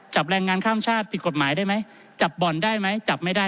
จับแรงงานข้ามชาติผิดกฎหมายได้ไหมจับบ่อนได้ไหมจับไม่ได้